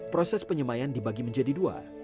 proses penyemayan dibagi menjadi dua